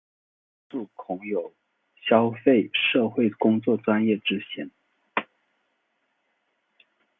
如此的论述恐有消费社会工作专业之嫌。